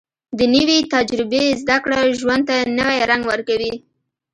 د نوې تجربې زده کړه ژوند ته نوې رنګ ورکوي